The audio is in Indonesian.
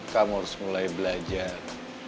kamu harus mulai belajar